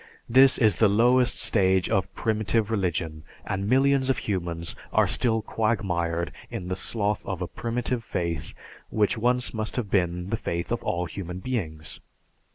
This is the lowest stage of primitive religion, and millions of humans are still quagmired in the sloth of a primitive faith which once must have been the faith of all human beings.